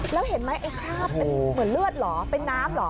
แล้วเห็นไหมไอ้ข้าวเหมือนเลือดหรอเป็นน้ำหรอ